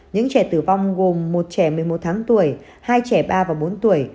những trẻ tử vong gồm một trẻ một mươi một tháng tuổi hai trẻ ba và bốn tuổi